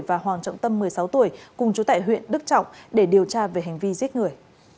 và hoàng trọng tâm một mươi sáu tuổi cùng chú tại huyện đức trọng để điều tra về hành vi giết người